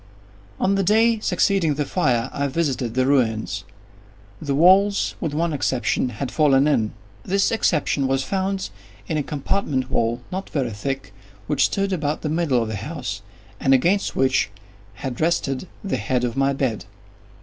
On the day succeeding the fire, I visited the ruins. The walls, with one exception, had fallen in. This exception was found in a compartment wall, not very thick, which stood about the middle of the house, and against which had rested the head of my bed.